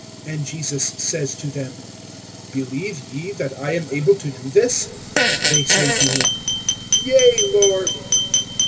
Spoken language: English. And Jesus says to them: Believe ye that I am able to do this? They say to him: Yea, Lord.